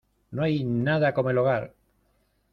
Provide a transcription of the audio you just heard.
¡ No hay nada como el hogar!